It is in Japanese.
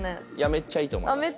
めっちゃいいと思います。